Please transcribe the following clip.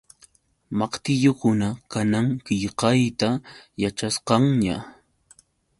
Maqtillukuna kanan qillqayta yaćhasqanña.